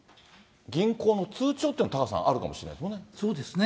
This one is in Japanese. そうか、銀行の通帳っていうのは、タカさん、あるかもしれなそうですね。